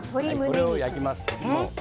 これを焼きます。